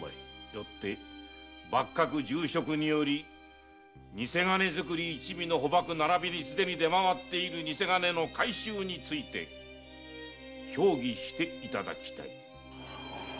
よって幕閣重職により偽金作り一味の捕縛ならびにすでに出回っている偽金の回収について評議していただきたい。